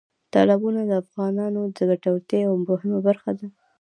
تالابونه د افغانانو د ګټورتیا یوه مهمه برخه ده.